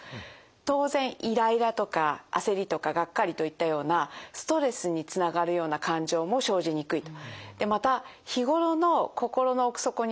当然イライラとか焦りとかがっかりといったようなストレスにつながるような感情も生じにくいと。